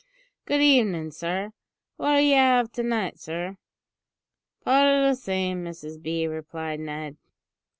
"Good evenin', sir. W'at'll you 'ave to night, sir?" "Pot o' the same, Mrs B," replied Ned.